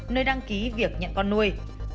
nơi đăng ký việc nhận con nuôi